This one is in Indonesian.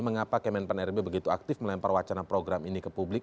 mengapa kemenpan rb begitu aktif melempar wacana program ini ke publik